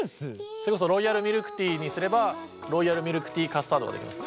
それこそロイヤルミルクティーにすればロイヤルミルクティー・カスタードができます。